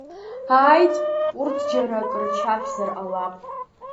Ааит, урҭ џьара ак рчақьзар ҟалап!